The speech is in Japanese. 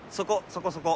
そこそこ。